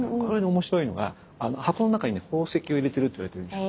面白いのが箱の中にね宝石を入れてるといわれているんです。